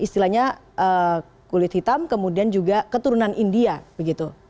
istilahnya kulit hitam kemudian juga keturunan india begitu